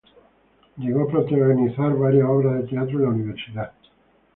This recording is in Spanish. Llegó a protagonizar varias obras de teatro en la universidad.